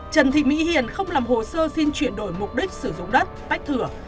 trần thị mỹ hiền không làm hồ sơ xin chuyển đổi mục đích sử dụng đất tách thửa